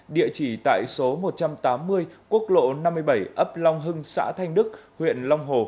địa chỉ tại số một trăm tám mươi quốc lộ năm mươi bảy ấp long hưng xã thanh đức huyện long hồ